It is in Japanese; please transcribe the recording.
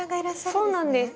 そうなんです。